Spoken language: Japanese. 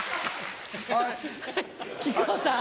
木久扇さん。